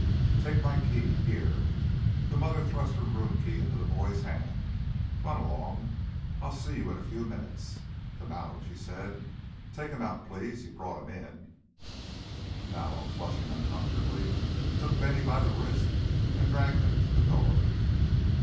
"Take my key. Here!" The mother thrust her room key into the boy's hand. "Run along. I I'll see you in a few minutes." To Mallow she said: "Take him out, please. You brought him." Mallow, flushing uncomfortably, took Bennie by the wrist and dragged him to the door.